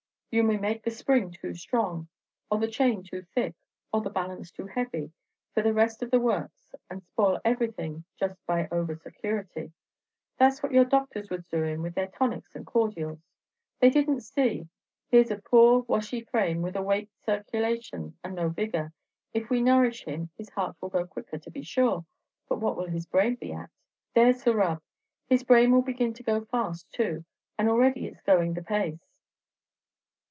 You may make the spring too strong, or the chain too thick, or the balance too heavy for the rest of the works, and spoil everything just by over security. That's what your doctors was doing with their tonics and cordials. They didn't see, here's a poor washy frame, with a wake circulation and no vigor. If we nourish him, his heart will go quicker, to be sure; but what will his brain be at? There's the rub! His brain will begin to go fast too, and already it's going the pace.